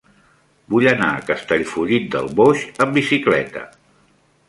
Vull anar a Castellfollit del Boix amb bicicleta.